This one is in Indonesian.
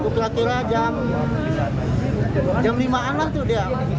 kira kira jam lima an lah sudah